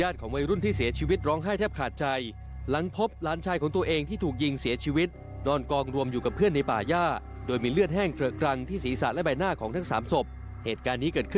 ไปติดตามจากรายงานค่ะ